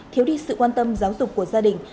thiếu đi sự quan tâm giáo dục của gia đình